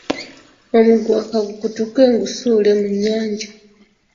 Omuguwa kagukutuke gu nsuule mu nnyanja.